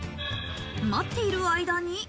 待っている間に。